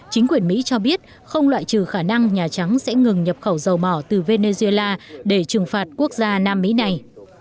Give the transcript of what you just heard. chính quyền mỹ cho biết không loại trừ khả năng nhà trắng sẽ ngừng nhập khẩu dầu mỏ từ venezuela để trừng phạt quốc gia nam mỹ này